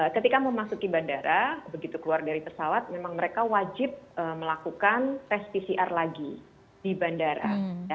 ketika memasuki bandara begitu keluar dari pesawat memang mereka wajib melakukan tes pcr lagi di bandara